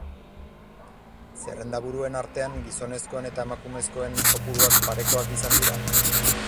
Zerrendaburuen artean, gizonezkoen eta emakumezkoen kopuruak parekoak izan dira?